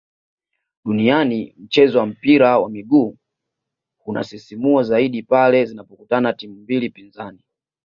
duniani mchezo wa mpira wa miguu hunasisimua zaidi pale zinapokutana timu mbili pinzani